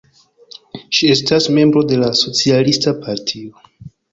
Ŝi estas membro de la Socialista Partio.